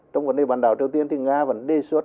trong vấn đề bản đảo triều tiên thì nga vẫn đề xuất